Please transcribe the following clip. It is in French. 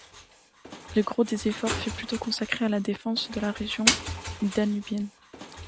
Le gros des efforts fut plutôt consacré à la défense de la région danubienne.